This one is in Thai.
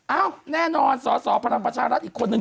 แน่นอนสอสอพลังประชารัฐอีกคนนึง